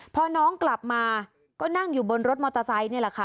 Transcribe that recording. พอน้องกลับมาก็นั่งอยู่บนรถมอเตอร์ไซค์นี่แหละค่ะ